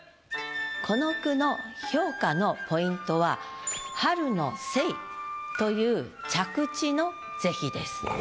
この句の評価のポイントは「春のせい」という着地の是非です。